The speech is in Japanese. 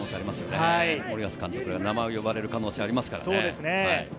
森保監督から名前を呼ばれる可能性がありますね。